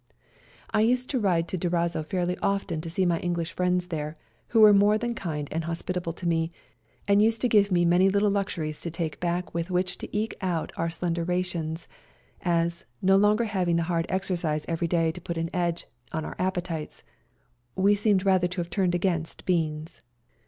I used to ride into Durazzo fairly often to see my English friends there, who were more than kind and hospitable to me, and used to give me many little luxuries to take back with which to eke out our slender rations, as, njo longer having the hard exercise every day to put an edge on our appetites, we seemed rather to have SERBIAN CHRISTMAS DAY 179 turned against beans.